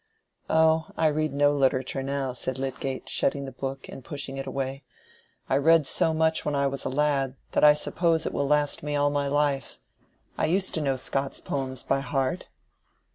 "Oh, I read no literature now," said Lydgate, shutting the book, and pushing it away. "I read so much when I was a lad, that I suppose it will last me all my life. I used to know Scott's poems by heart."